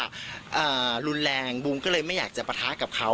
อ่ารุนแรงบูมก็เลยไม่อยากจะปะทะกับเขา